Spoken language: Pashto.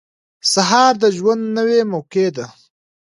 • سهار د ژوند نوې موقع ده.